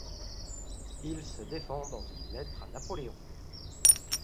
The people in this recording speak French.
Il se défend dans une lettre à Napoléon.